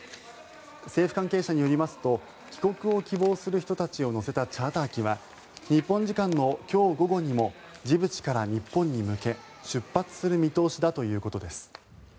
政府関係者によりますと帰国を希望する人たちを乗せたチャーター機は日本時間の今日午後にもジブチから日本に向け出発する見通しだということです。